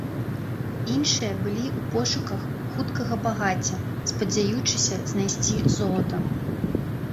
Іншыя былі ў пошуках хуткага багацця, спадзяючыся знайсці золата.